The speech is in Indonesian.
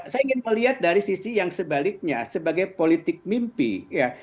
saya ingin melihat dari sisi yang sebaliknya sebagai politik mimpi ya